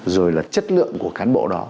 rồi là chất lượng của cán bộ đó